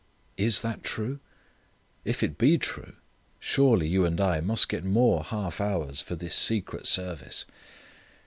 Is that true? If it be true, surely you and I must get more half hours for this secret service.